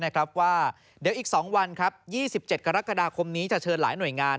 ว่าเดี๋ยวอีก๒วัน๒๗กรกฎาคมนี้จะเชิญหลายหน่วยงาน